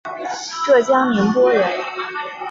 浙江宁波人。